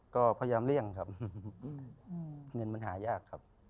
ก็พยายามเลี่ยงครับเงินมันหายากครับ